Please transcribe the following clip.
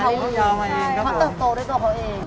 น้องยาวมาเองครับผมใช่ความเติบโตด้วยตัวเขาเอง